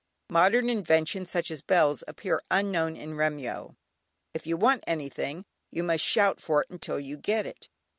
Modern inventions such as bells appear unknown in Remyo. If you want anything you must shout for it until you get it.